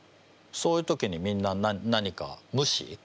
そういう時にみんな何か無視？